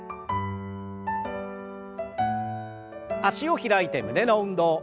脚を開いて胸の運動。